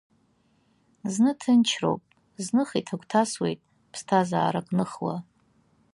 Зны ҭынчроуп, зных иҭагә-ҭасуеит, ԥсҭазаарак ныхуа…